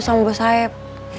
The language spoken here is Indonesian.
sama buah sayap